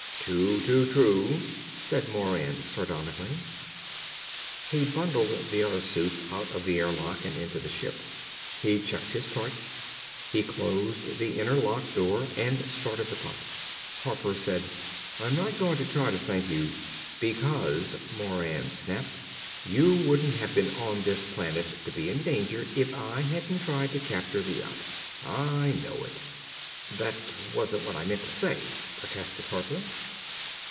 "Too, too true!" said Moran sardonically. He bundled the other suits out of the airlock and into the ship. He checked his torch. He closed the inner lock door and started the pump. Harper said; "I'm not going to try to thank you ." "Because," Moran snapped, "you wouldn't have been on this planet to be in danger if I hadn't tried to capture the yacht. I know it!" "That wasn't what I meant to say!" protested Harper.